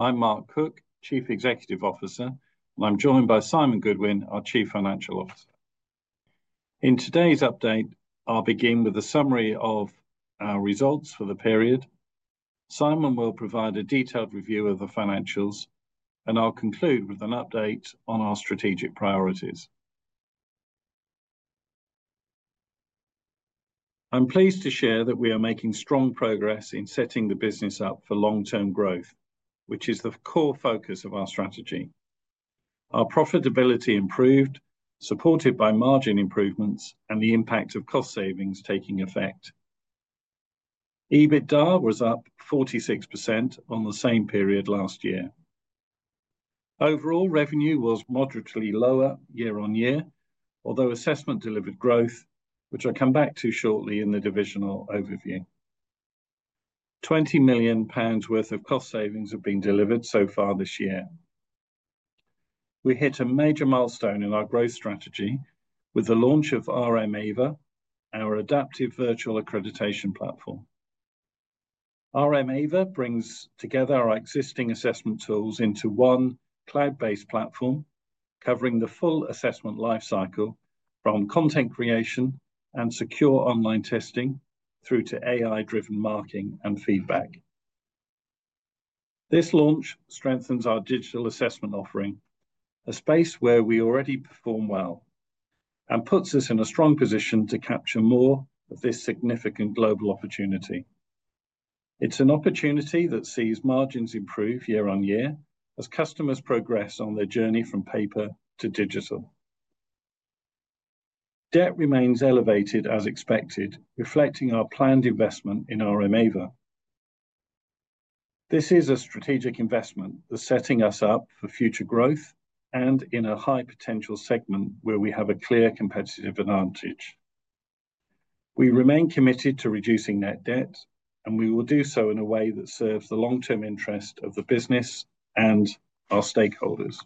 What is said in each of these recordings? I'm Mark Cook, Chief Executive Officer, and I'm joined by Simon Goodwin, our Chief Financial Officer. In today's update, I'll begin with a summary of our results for the period. Simon will provide a detailed review of the financials, and I'll conclude with an update on our strategic priorities. I'm pleased to share that we are making strong progress in setting the business up for long-term growth, which is the core focus of our strategy. Our profitability improved, supported by margin improvements and the impact of cost savings taking effect. EBITDA was up 46% on the same period last year. Overall revenue was moderately lower year on year, although assessment delivered growth, which I'll come back to shortly in the divisional overview. 20 million pounds worth of cost savings have been delivered so far this year. We hit a major milestone in our growth strategy with the launch of RM Ava, our adaptive virtual accreditation platform. RM Ava brings together our existing assessment tools into one cloud-based platform, covering the full assessment lifecycle, from content creation and secure online testing through to AI-driven marketing and feedback. This launch strengthens our digital assessment offering, a space where we already perform well, and puts us in a strong position to capture more of this significant global opportunity. It's an opportunity that sees margins improve year on year as customers progress on their journey from paper to digital. Debt remains elevated as expected, reflecting our planned investment in RM Ava. This is a strategic investment that's setting us up for future growth and in a high-potential segment where we have a clear competitive advantage. We remain committed to reducing net debt, and we will do so in a way that serves the long-term interest of the business and our stakeholders.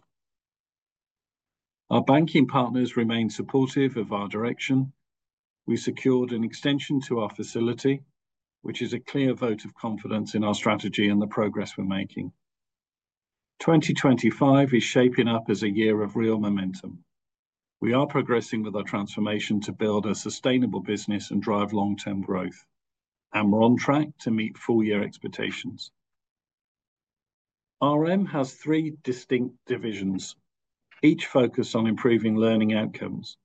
Our banking partners remain supportive of our direction. We secured an extension to our facility, which is a clear vote of confidence in our strategy and the progress we're making. 2025 is shaping up as a year of real momentum. We are progressing with our transformation to build a sustainable business and drive long-term growth, and we're on track to meet full-year expectations. RM has three distinct divisions, each focused on improving learning outcomes,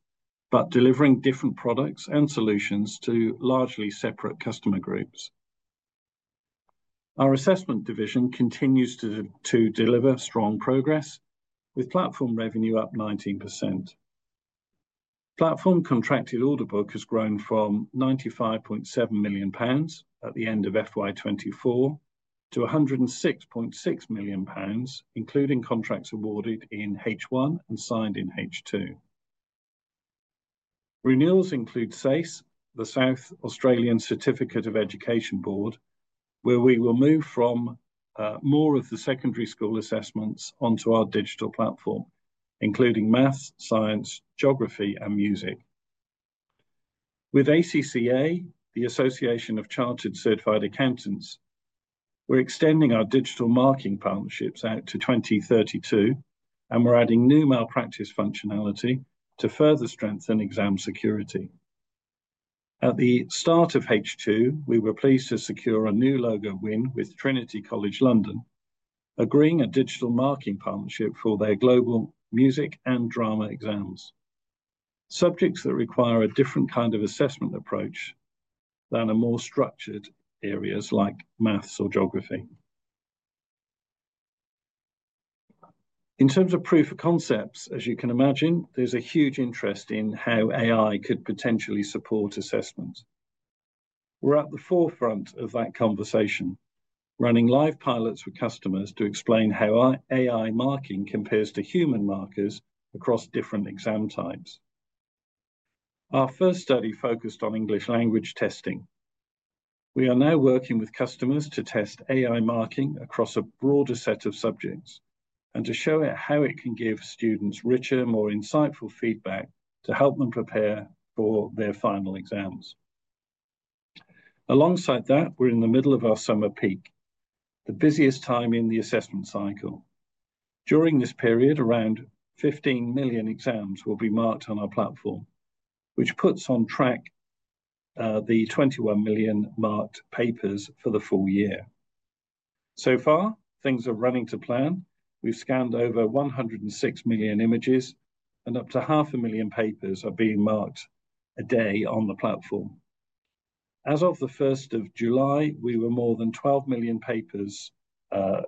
but delivering different products and solutions to largely separate customer groups. Our assessment division continues to deliver strong progress, with platform revenue up 19%. Platform contracted order book has grown from 95.7 million pounds at the end of FY 2024 to 106.6 million pounds, including contracts awarded in H1 and signed in H2. Renewals include SACE, the South Australian Certificate of Education Board, where we will move more of the secondary school assessments onto our digital platform, including maths, science, geography, and music. With ACCA, the Association of Chartered Certified Accountants, we're extending our digital marketing partnerships out to 2032, and we're adding new malpractice functionality to further strengthen exam security. At the start of H2, we were pleased to secure a new logo win with Trinity College London, agreeing a digital marketing partnership for their global music and drama exams. Subjects that require a different kind of assessment approach than a more structured area, like maths or geography. In terms of proof of concepts, as you can imagine, there's a huge interest in how AI could potentially support assessment. We're at the forefront of that conversation, running live pilots with customers to explain how AI marking compares to human markers across different exam types. Our first study focused on English language testing. We are now working with customers to test AI marking across a broader set of subjects and to show how it can give students richer, more insightful feedback to help them prepare for their final exams. Alongside that, we're in the middle of our summer peak, the busiest time in the assessment cycle. During this period, around 15 million exams will be marked on our platform, which puts on track the 21 million marked papers for the full year. Things are running to plan. We've scanned over 106 million images, and up to half a million papers are being marked a day on the platform. As of the 1st of July, we were more than 12 million papers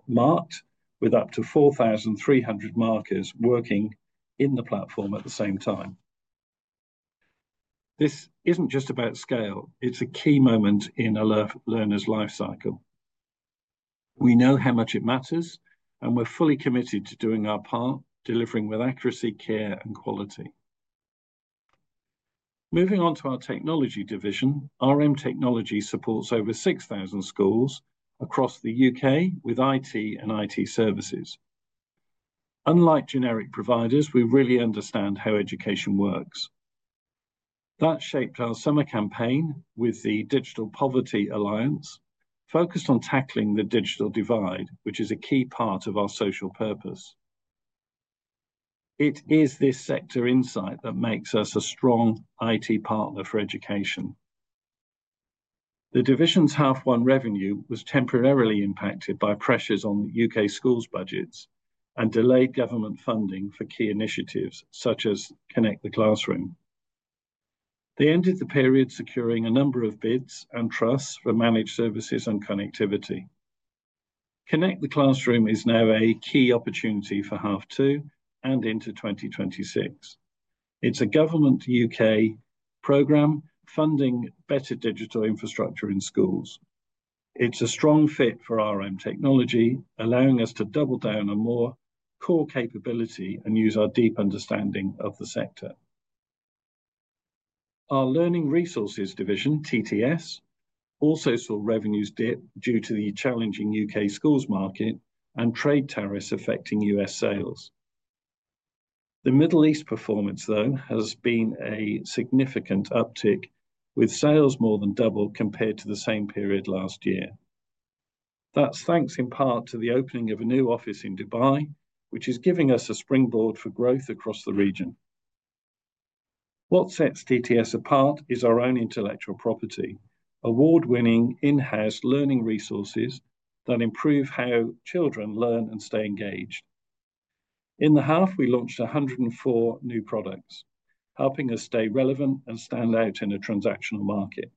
marked, with up to 4,300 markers working in the platform at the same time. This isn't just about scale; it's a key moment in a learner's lifecycle. We know how much it matters, and we're fully committed to doing our part, delivering with accuracy, care, and quality. Moving on to our technology division, RM Technologies supports over 6,000 schools across the U.K. with IT and IT services. Unlike generic providers, we really understand how education works. That shaped our summer campaign with the Digital Poverty Alliance, focused on tackling the digital divide, which is a key part of our social purpose. It is this sector insight that makes us a strong IT partner for education. The division's H1 revenue was temporarily impacted by pressures on U.K. schools' budgets and delayed government funding for key initiatives such as Connect the Classroom. They ended the period securing a number of bids and trusts for managed services and connectivity. Connect the Classroom is now a key opportunity for H2 and into 2026. It's a U.K. government program funding better digital infrastructure in schools. It's a strong fit for RM Technology, allowing us to double down on more core capability and use our deep understanding of the sector. Our Learning Resources division, TTS, also saw revenues dip due to the challenging U.K. schools market and trade tariffs affecting U.S. sales. The Middle East performance, though, has been a significant uptick, with sales more than doubled compared to the same period last year. That's thanks in part to the opening of a new office in Dubai, which is giving us a springboard for growth across the region. What sets TTS apart is our own intellectual property, award-winning in-house learning resources that improve how children learn and stay engaged. In the half, we launched 104 new products, helping us stay relevant and stand out in a transactional market.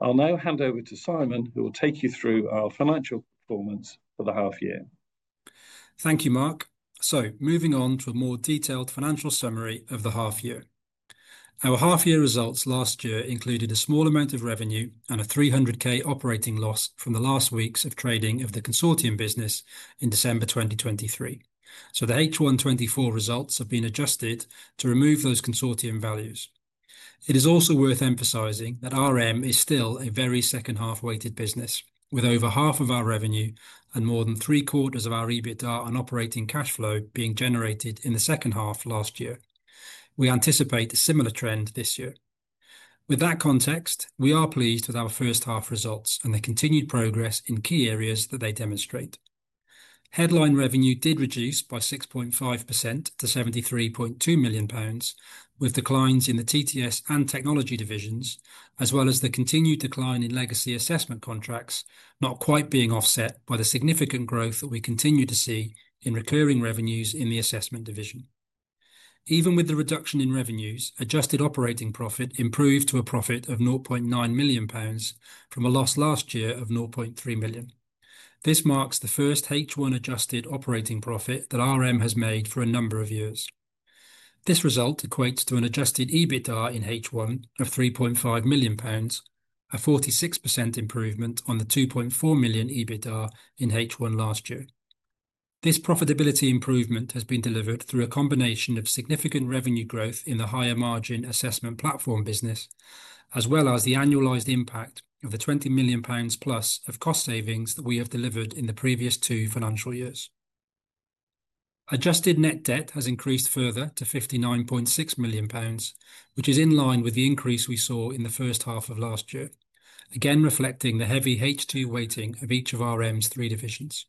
I'll now hand over to Simon, who will take you through our financial performance for the half year. Thank you, Mark. Moving on to a more detailed financial summary of the half year. Our half-year results last year included a small amount of revenue and a 300,000 operating loss from the last weeks of trading of the consortium business in December 2023. The H1 2024 results have been adjusted to remove those consortium values. It is also worth emphasizing that RM is still a very second-half-weighted business, with over half of our revenue and more than three-quarters of our EBITDA on operating cash flow being generated in the second half last year. We anticipate a similar trend this year. With that context, we are pleased with our first half results and the continued progress in key areas that they demonstrate. Headline revenue did reduce by 6.5% to 73.2 million pounds, with declines in the TTS (Learning Resources) and Technology divisions, as well as the continued decline in legacy assessment contracts not quite being offset by the significant growth that we continue to see in recurring revenues in the Assessment division. Even with the reduction in revenues, adjusted operating profit improved to a profit of 0.9 million pounds from a loss last year of 0.3 million. This marks the first H1 adjusted operating profit that RM has made for a number of years. This result equates to an adjusted EBITDA in H1 of 3.5 million pounds, a 46% improvement on the 2.4 million EBITDA in H1 last year. This profitability improvement has been delivered through a combination of significant revenue growth in the higher margin assessment platform business, as well as the annualized impact of the 20+ million pounds of cost savings that we have delivered in the previous two financial years. Adjusted net debt has increased further to 59.6 million pounds, which is in line with the increase we saw in the first half of last year, again reflecting the heavy H2 weighting of each of RM's three divisions.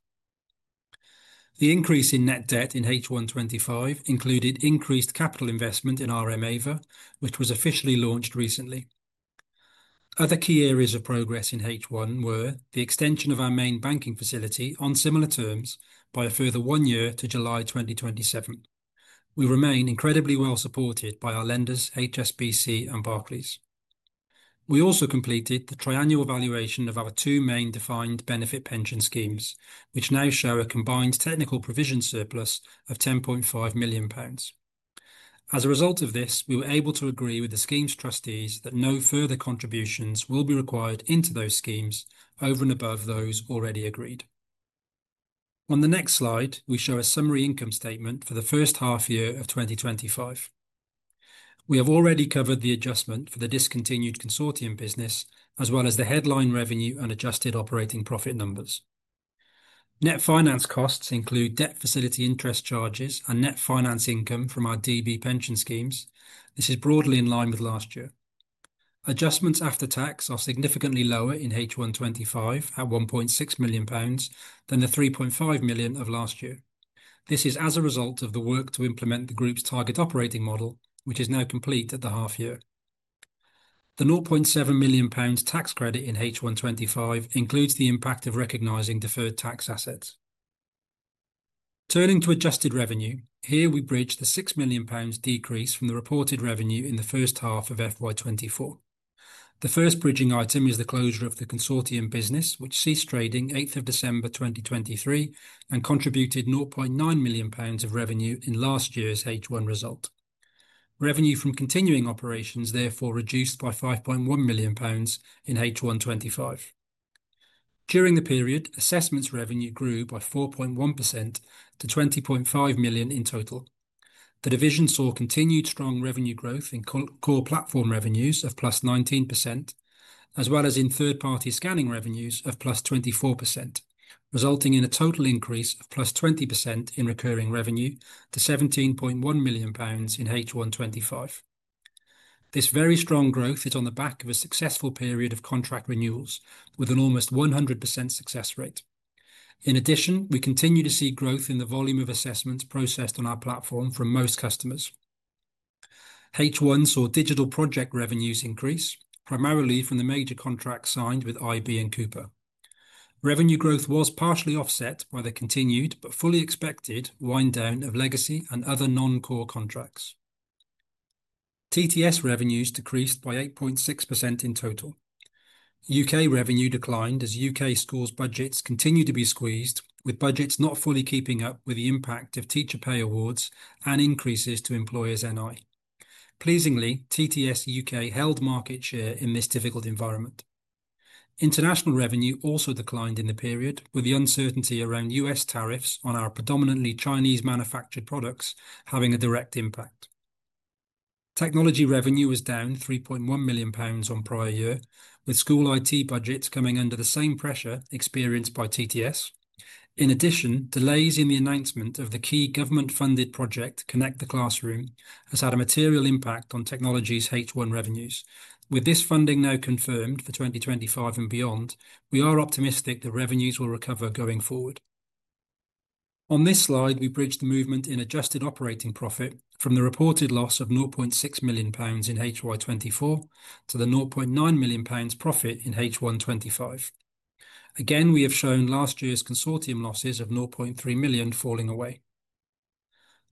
The increase in net debt in H1 2024 included increased capital investment in RM Ava, which was officially launched recently. Other key areas of progress in H1 were the extension of our main banking facility on similar terms by a further one year to July 2027. We remain incredibly well supported by our lenders, HSBC and Barclays. We also completed the triannual valuation of our two main defined benefit pension schemes, which now show a combined technical provision surplus of 10.5 million pounds. As a result of this, we were able to agree with the schemes' trustees that no further contributions will be required into those schemes over and above those already agreed. On the next slide, we show a summary income statement for the first half year of 2025. We have already covered the adjustment for the discontinued consortium business, as well as the headline revenue and adjusted operating profit numbers. Net finance costs include debt facility interest charges and net finance income from our DB pension schemes. This is broadly in line with last year. Adjustments after tax are significantly lower in H1 2025 at 1.6 million pounds than the 3.5 million of last year. This is as a result of the work to implement the group's target operating model, which is now complete at the half year. The 0.7 million pounds tax credit in H1 2025 includes the impact of recognizing deferred tax assets. Turning to adjusted revenue, here we bridge the 6 million pounds decrease from the reported revenue in the first half of FY 2024. The first bridging item is the closure of the consortium business, which ceased trading 8th December, 2023, and contributed 0.9 million pounds of revenue in last year's H1 result. Revenue from continuing operations therefore reduced by 5.1 million pounds in H1 2025. During the period, assessments revenue grew by 4.1% to 20.5 million in total. The division saw continued strong revenue growth in core platform revenues of +19%, as well as in third-party scanning revenues of +24%, resulting in a total increase of +20% in recurring revenue to 17.1 million pounds in H1 2025. This very strong growth is on the back of a successful period of contract renewals with an almost 100% success rate. In addition, we continue to see growth in the volume of assessments processed on our platform from most customers. H1 saw digital project revenues increase, primarily from the major contracts signed with IB and Cooper. Revenue growth was partially offset by the continued, but fully expected, wind-down of legacy and other non-core contracts. TTS revenues decreased by 8.6% in total. U.K. revenue declined as U.K. schools' budgets continue to be squeezed, with budgets not fully keeping up with the impact of teacher pay awards and increases to employers' NI. Pleasingly, TTS U.K. held market share in this difficult environment. International revenue also declined in the period, with the uncertainty around U.S. tariffs on our predominantly Chinese-manufactured products having a direct impact. Technology revenue was down 3.1 million pounds on prior year, with school IT budgets coming under the same pressure experienced by TTS. In addition, delays in the announcement of the key government-funded project Connect the Classroom have had a material impact on technology's H1 revenues. With this funding now confirmed for 2025 and beyond, we are optimistic that revenues will recover going forward. On this slide, we bridge the movement in adjusted operating profit from the reported loss of 0.6 million pounds in H1 2024 to the 0.9 million pounds profit in H1 2025. Again, we have shown last year's consortium losses of 0.3 million falling away.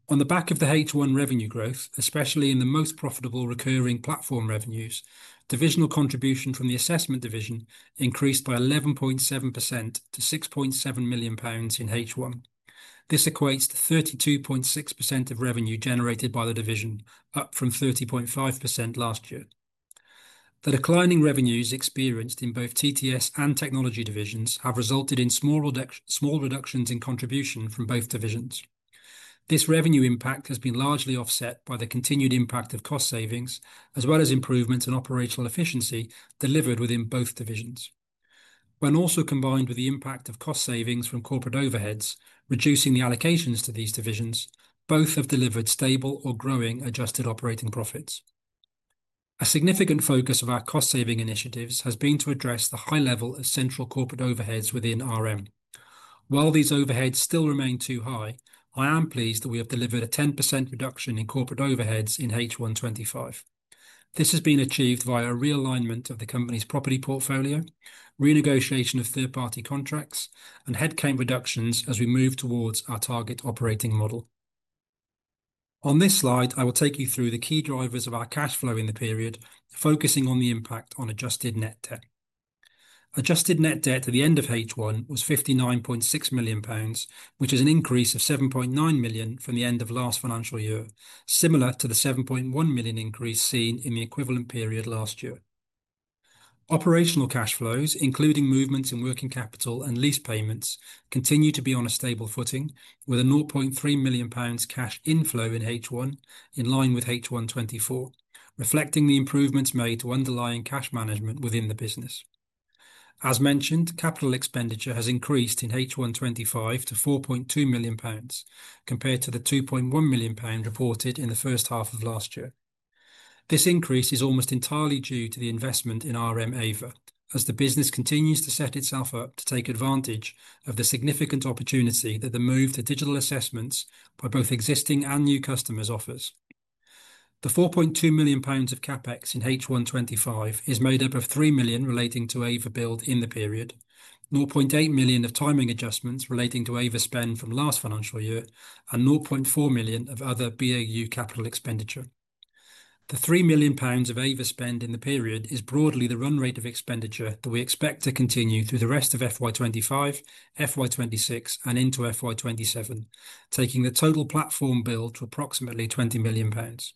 On the back of the H1 revenue growth, especially in the most profitable recurring platform revenues, divisional contribution from the Assessment division increased by 11.7% to 6.7 million pounds in H1. This equates to 32.6% of revenue generated by the division, up from 30.5% last year. The declining revenues experienced in both TTS and Technology divisions have resulted in small reductions in contribution from both divisions. This revenue impact has been largely offset by the continued impact of cost savings, as well as improvements in operational efficiency delivered within both divisions. When also combined with the impact of cost savings from corporate overheads, reducing the allocations to these divisions, both have delivered stable or growing adjusted operating profits. A significant focus of our cost-saving initiatives has been to address the high level of central corporate overheads within RM. While these overheads still remain too high, I am pleased that we have delivered a 10% reduction in corporate overheads in H1 2025. This has been achieved via realignment of the company's property portfolio, renegotiation of third-party contracts, and headcount reductions as we move towards our target operating model. On this slide, I will take you through the key drivers of our cash flow in the period, focusing on the impact on adjusted net debt. Adjusted net debt at the end of H1 was 59.6 million pounds, which is an increase of 7.9 million from the end of last financial year, similar to the 7.1 million increase seen in the equivalent period last year. Operational cash flows, including movements in working capital and lease payments, continue to be on a stable footing, with a 0.3 million pounds cash inflow in H1, in line with H1 2024, reflecting the improvements made to underlying cash management within the business. As mentioned, capital expenditure has increased in H1 2025 to 4.2 million pounds, compared to the 2.1 million pound reported in the first half of last year. This increase is almost entirely due to the investment in RM Ava, as the business continues to set itself up to take advantage of the significant opportunity that the move to digital assessment by both existing and new customers offers. The 4.2 million pounds of CapEx in H1 2025 is made up of 3 million relating to Ava build in the period, 0.8 million of timing adjustments relating to Ava spend from last financial year, and 0.4 million of other BAU capital expenditure. The 3 million pounds of Ava spend in the period is broadly the run rate of expenditure that we expect to continue through the rest of FY 2025, FY 2026, and into FY 2027, taking the total platform bill to approximately 20 million pounds.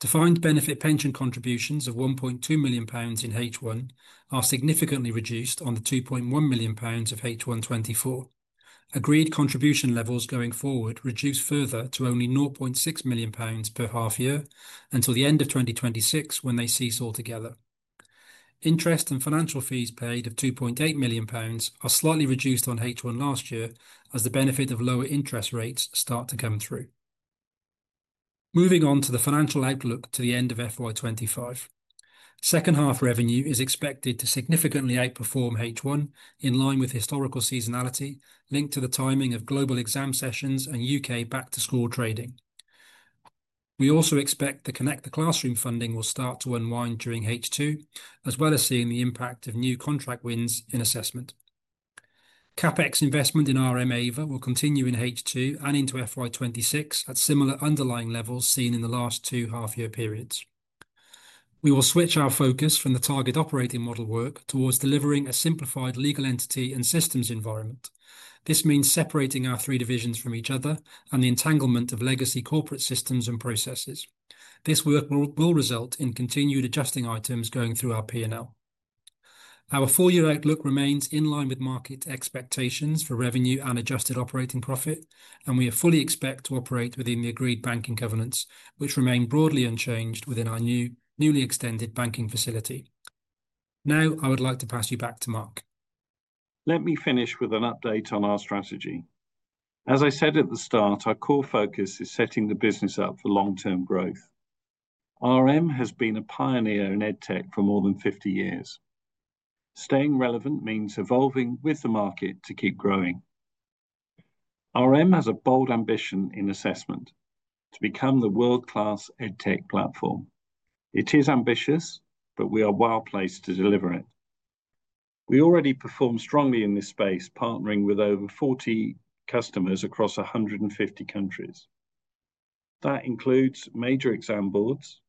Defined benefit pension contributions of 1.2 million pounds in H1 are significantly reduced on the 2.1 million pounds of H1 2024. Agreed contribution levels going forward reduce further to only 0.6 million pounds per half year until the end of 2026 when they cease altogether. Interest and financial fees paid of 2.8 million pounds are slightly reduced on H1 last year as the benefit of lower interest rates start to come through. Moving on to the financial outlook to the end of FY 2025, second half revenue is expected to significantly outperform H1, in line with historical seasonality linked to the timing of global exam sessions and U.K. back-to-school trading. We also expect the Connect the Classroom funding will start to unwind during H2, as well as seeing the impact of new contract wins in assessment. CapEx investment in RM Ava will continue in H2 and into FY 2026 at similar underlying levels seen in the last two half-year periods. We will switch our focus from the target operating model work towards delivering a simplified legal entity and systems environment. This means separating our three divisions from each other and the entanglement of legacy corporate systems and processes. This work will result in continued adjusting items going through our P&L. Our four-year outlook remains in line with market expectations for revenue and adjusted operating profit, and we fully expect to operate within the agreed banking governance, which remain broadly unchanged within our newly extended banking facility. Now, I would like to pass you back to Mark. Let me finish with an update on our strategy. As I said at the start, our core focus is setting the business up for long-term growth. RM has been a pioneer in edtech for more than 50 years. Staying relevant means evolving with the market to keep growing. RM has a bold ambition in assessment to become the world-class edtech platform. It is ambitious, but we are well placed to deliver it. We already perform strongly in this space, partnering with over 40 customers across 150 countries. That includes major exam boards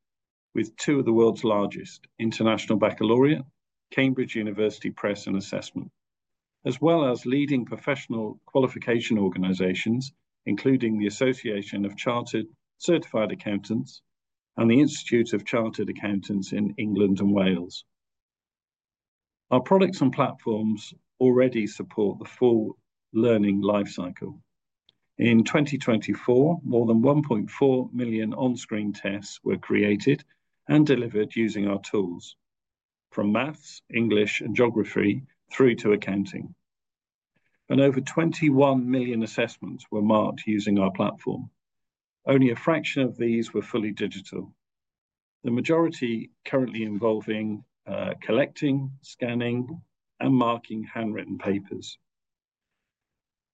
with two of the world's largest: International Baccalaureate, Cambridge University Press and Assessment, as well as leading professional qualification organizations, including the Association of Chartered Certified Accountants and the Institute of Chartered Accountants in England and Wales. Our products and platforms already support the full learning lifecycle. In 2024, more than 1.4 million on-screen tests were created and delivered using our tools, from maths, English, and geography through to accounting. Over 21 million assessments were marked using our platform. Only a fraction of these were fully digital, the majority currently involving collecting, scanning, and marking handwritten papers.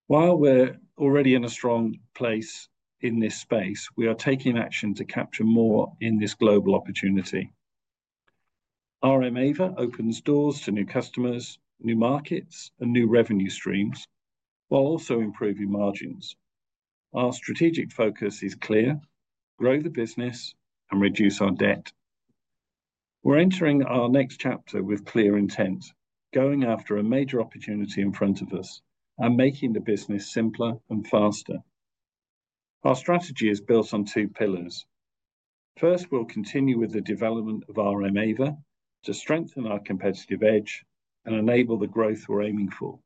While we're already in a strong place in this space, we are taking action to capture more in this global opportunity. RM Ava opens doors to new customers, new markets, and new revenue streams, while also improving margins. Our strategic focus is clear: grow the business and reduce our debt. We're entering our next chapter with clear intent, going after a major opportunity in front of us and making the business simpler and faster. Our strategy is built on two pillars. First, we'll continue with the development of RM Ava to strengthen our competitive edge and enable the growth we're aiming for.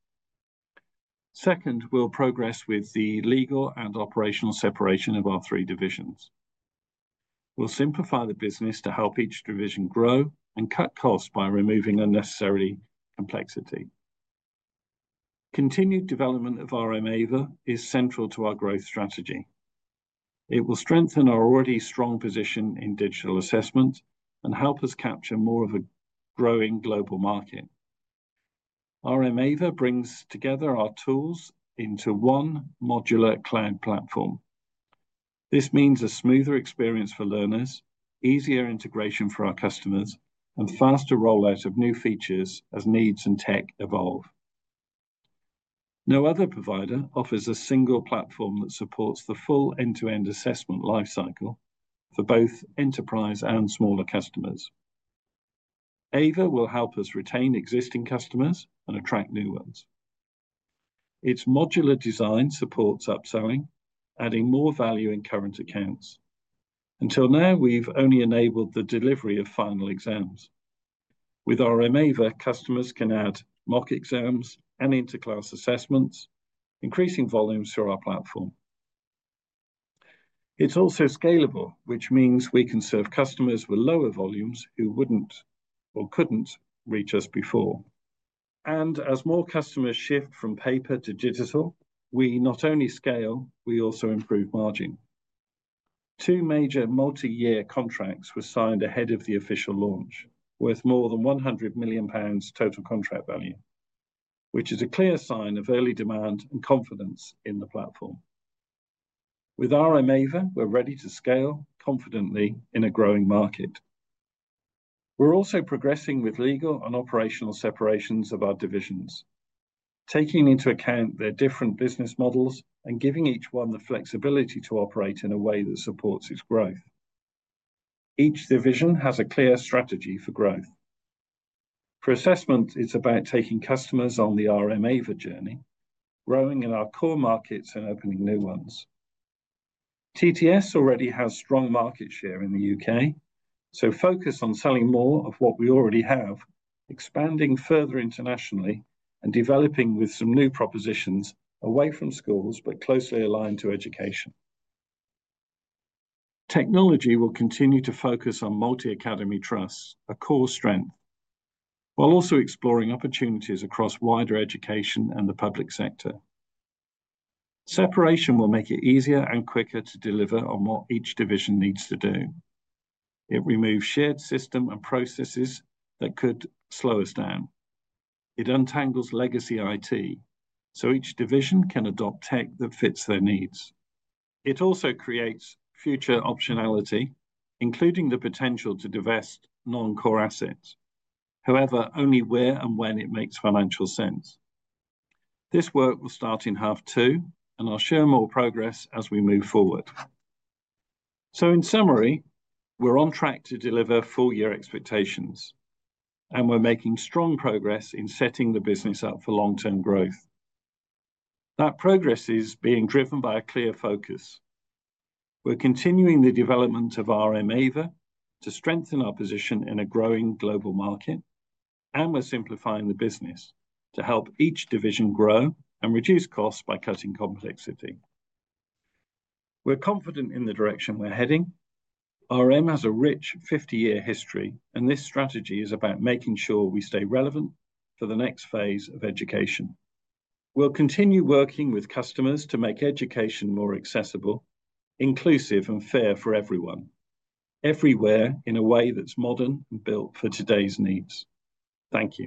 Second, we'll progress with the legal and operational separation of our three divisions. We'll simplify the business to help each division grow and cut costs by removing unnecessary complexity. Continued development of RM Ava is central to our growth strategy. It will strengthen our already strong position in digital assessment and help us capture more of a growing global market. RM Ava brings together our tools into one modular cloud platform. This means a smoother experience for learners, easier integration for our customers, and faster rollout of new features as needs and tech evolve. No other provider offers a single platform that supports the full end-to-end assessment lifecycle for both enterprise and smaller customers. RM Ava will help us retain existing customers and attract new ones. Its modular design supports upselling, adding more value in current accounts. Until now, we've only enabled the delivery of final exams. With RM Ava, customers can add mock exams and inter-class assessments, increasing volumes through our platform. It's also scalable, which means we can serve customers with lower volumes who wouldn't or couldn't reach us before. As more customers shift from paper to digital, we not only scale, we also improve margin. Two major multi-year contracts were signed ahead of the official launch, with more than 100 million pounds total contract value, which is a clear sign of early demand and confidence in the platform. With RM Ava, we're ready to scale confidently in a growing market. We're also progressing with legal and operational separations of our divisions, taking into account their different business models and giving each one the flexibility to operate in a way that supports its growth. Each division has a clear strategy for growth. For assessment, it's about taking customers on the RM Ava journey, growing in our core markets and opening new ones. TTS already has strong market share in the U.K., so focus on selling more of what we already have, expanding further internationally, and developing with some new propositions away from schools but closely aligned to education. Technology will continue to focus on multi-academy trusts, a core strength, while also exploring opportunities across wider education and the public sector. Separation will make it easier and quicker to deliver on what each division needs to do. It removes shared systems and processes that could slow us down. It untangles legacy IT, so each division can adopt tech that fits their needs. It also creates future optionality, including the potential to divest non-core assets. However, only where and when it makes financial sense. This work will start in H2, and I'll share more progress as we move forward. In summary, we're on track to deliver full-year expectations, and we're making strong progress in setting the business up for long-term growth. That progress is being driven by a clear focus. We're continuing the development of RM Ava to strengthen our position in a growing global market, and we're simplifying the business to help each division grow and reduce costs by cutting complexity. We're confident in the direction we're heading. RM has a rich 50-year history, and this strategy is about making sure we stay relevant for the next phase of education. We'll continue working with customers to make education more accessible, inclusive, and fair for everyone, everywhere in a way that's modern and built for today's needs. Thank you.